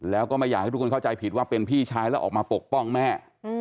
แล้วก็ไม่อยากให้ทุกคนเข้าใจผิดว่าเป็นพี่ชายแล้วออกมาปกป้องแม่